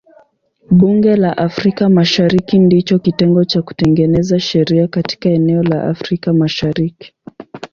Bunge la Afrika Mashariki ndicho kitengo cha kutengeneza sheria katika eneo la Afrika Mashariki.